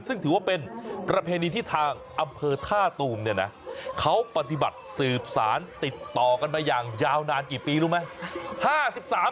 ซึ่งถือว่าเป็นประเพณีที่ทางอำเภอท่าตูมเนี่ยนะเขาปฏิบัติสืบสารติดต่อกันมาอย่างยาวนานกี่ปีรู้ไหม